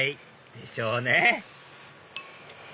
でしょうね